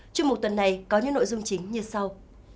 chuyên mục tuần này có những nội dung chính như sau